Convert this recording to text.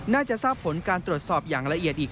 น่าจะทราบผลการตรวจสอบอย่างละเอียดอีก